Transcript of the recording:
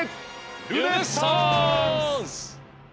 ルネッサンス！